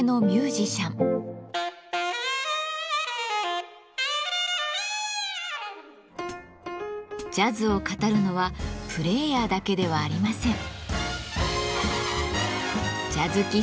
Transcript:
ジャズを語るのはプレーヤーだけではありません。